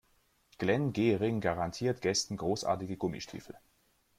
Glenn Gehring garantiert Gästen großartige Gummistiefel.